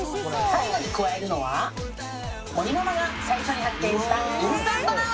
最後に加えるのは盛ママが最初に発見したインスタントラーメン！